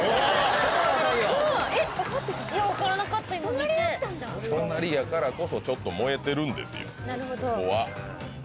隣だったんだ隣やからこそちょっと燃えてるんですよ